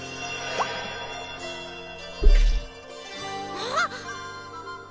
あっ！